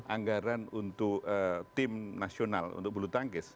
anggaran untuk tim nasional untuk bulu tangkis